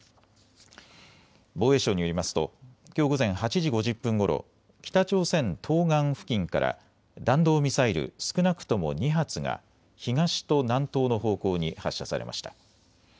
防衛省によりますときょう午前８時５０分ごろ、北朝鮮東岸付近から弾道ミサイル少なくとも２発が東と南東の方向に発射されました。